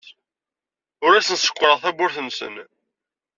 Ur asen-sekkṛeɣ tawwurt-nsen.